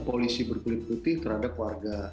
polisi berkulit putih terhadap warga